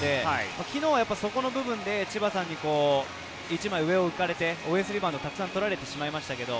昨日はその部分で千葉さんに一枚上を行かれてオフェンスリバウンドをたくさん取られてしまいました。